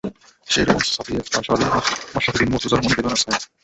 সেই রোমাঞ্চ ছাপিয়ে কাল সারা দিন মাশরাফি বিন মুর্তজার মনে বেদনার ছায়া।